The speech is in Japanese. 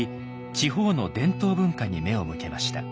地方の伝統文化に目を向けました。